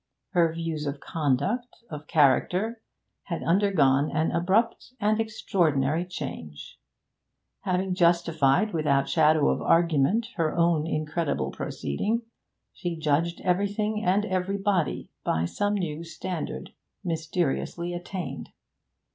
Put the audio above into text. Her views of conduct, of character, had undergone an abrupt and extraordinary change. Having justified without shadow of argument her own incredible proceeding, she judged everything and everybody by some new standard, mysteriously attained.